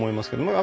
あ